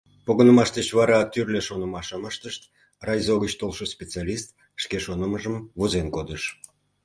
Погынымаш деч вара тӱрлӧ шонымашым ыштышт, райзо гыч толшо специалист шке шонымыжым возен кодыш.